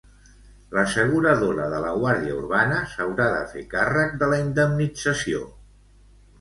L'asseguradora de la Guàrdia Urbana s'haurà de fer càrrec de la indemnització.